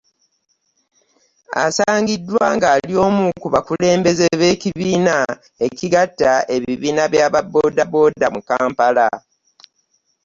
Asangiddwa ng'ali omu ku bakulembeze b”ekibiina ekigatta ebibiina bya bodaboda mu Kampala.